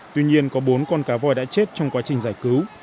tuy nhiên có bốn con cá voi đã chết trong quá trình giải cứu